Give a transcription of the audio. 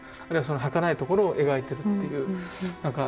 あるいはそのはかないところを描いてるっていう。